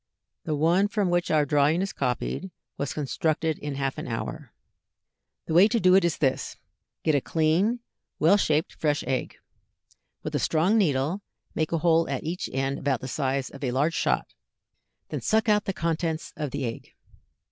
The one from which our drawing is copied was constructed in half an hour. The way to do it is this: Get a clean, well shaped fresh egg. With a strong needle make a hole at each end about the size of a large shot, then suck out the contents of the egg.